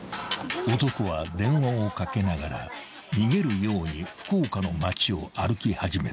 ［男は電話をかけながら逃げるように福岡の街を歩き始めた］